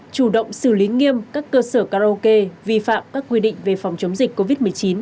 chủ động xử lý nghiêm các cơ sở karaoke vi phạm các quy định về phòng chống dịch covid một mươi chín